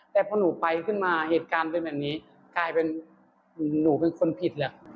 แต่พอหนูไปขึ้นมาเหตุการณ์เป็นแบบนี้กลายเป็นหนูเป็นคนผิดแหละ